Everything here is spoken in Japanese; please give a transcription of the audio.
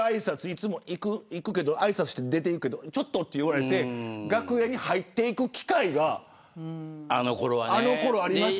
いつもあいさつして出ていくけどちょっと、と言われて楽屋に入っていく機会があのころはありました。